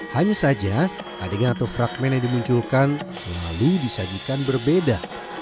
hanya saja adegan atau fragment yang dimunculkan selalu disajikan berbeda